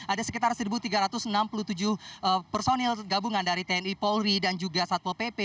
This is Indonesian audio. ada sekitar satu tiga ratus enam puluh tujuh personil gabungan dari tni polri dan juga satpol pp